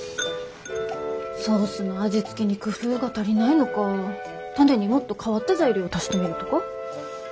ソースの味付けに工夫が足りないのかタネにもっと変わった材料を足してみるとか。